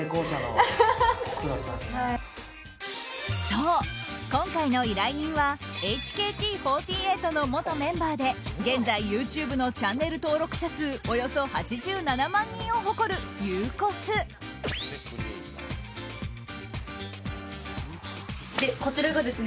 そう、今回の依頼人はＨＫＴ４８の元メンバーで現在ＹｏｕＴｕｂｅのチャンネル登録者数およそ８７万人を誇る、ゆうこす。